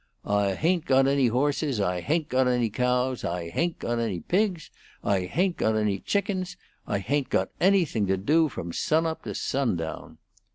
'I hain't got any horses, I hain't got any cows, I hain't got any pigs, I hain't got any chickens. I hain't got anything to do from sun up to sun down.'